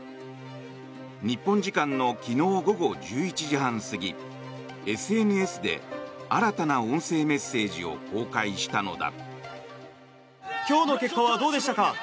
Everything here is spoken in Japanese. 日本時間の昨日午後１１時半過ぎＳＮＳで新たな音声メッセージを公開したのだ。